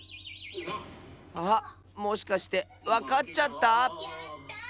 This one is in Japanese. あっもしかしてわかっちゃった？